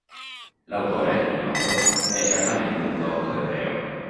L'autore, ignoto, è certamente un dotto ebreo.